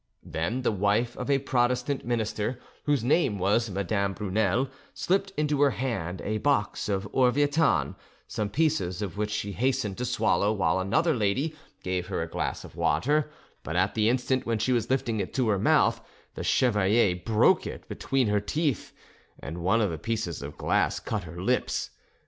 Then the wife of a Protestant minister, whose name was Madame Brunel, slipped into her hand a box of orvietan, some pieces of which she hastened to swallow, while another lady gave her a glass of water; but at the instant when she was lifting it to her mouth, the chevalier broke it between her teeth, and one of the pieces of glass cut her lips.